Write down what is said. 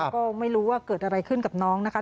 ก็ไม่รู้ว่าเกิดอะไรขึ้นกับน้องนะคะ